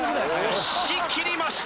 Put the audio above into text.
押し切りました！